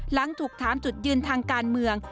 หลังถูกถามจุดยืนทางการเมือง